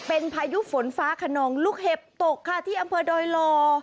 เป็นพายุฝนฟ้าขนองลูกเห็บตกค่ะที่อำเภอดอยลอ